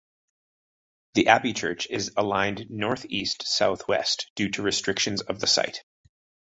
The abbey church is aligned northeast-southwest, due to restrictions of the site.